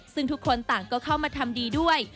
ซึ่งทุกคนต่างก็เข้ามาทำดีด้วย